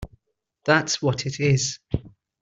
That’s what it is!